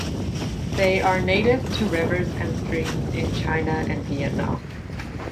They are native to rivers and streams in China and Vietnam.